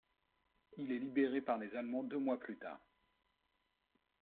Il est libéré par les Allemands deux mois plus tard.